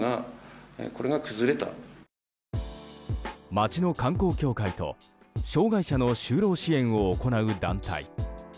町の観光協会と障害者の就労支援を行う団体。